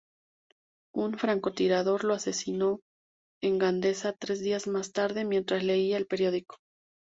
Un francotirador lo asesinó en Gandesa tres días más tarde, mientras leía el periódico.